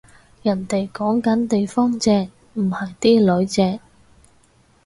人哋講緊地方正，唔係啲囡正